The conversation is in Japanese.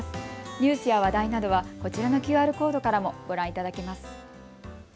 ニュースや話題などはこちらのＱＲコードからもご覧いただけます。